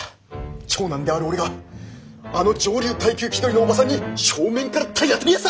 長男である俺があの上流階級気取りのおばさんに正面から体当たりヤサ！